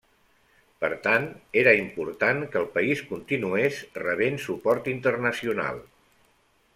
Per tant, era important que el país continués rebent suport internacional.